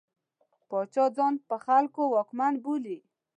پاچا ځان په خلکو واکمن بولي.